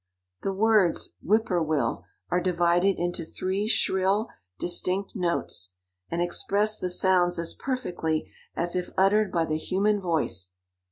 The words, "whip poor will," are divided into three shrill, distinct notes, and express the sounds as perfectly as if uttered by the human voice.